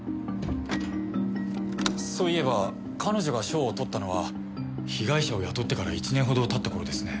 そういえば彼女が賞を取ったのは被害者を雇ってから１年程経った頃ですね。